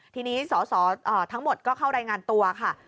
ทีนี้สสทั้งหมดก็เข้ารายงานตัวค่ะ